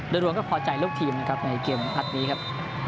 โดยรวมก็พอใจลูกทีมนะครับในเกมนัดนี้ครับ